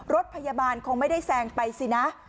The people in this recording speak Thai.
รถพยาบาลคงไม่ได้แซงไปสินะ